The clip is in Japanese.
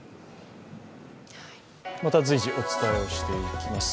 また随時お伝えしていきます。